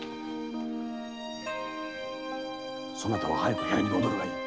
そなたは早く部屋に戻るがいい。